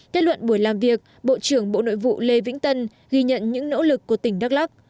kết luận buổi làm việc bộ trưởng bộ nội vụ lê vĩnh tân ghi nhận những nỗ lực của tỉnh đắk lắc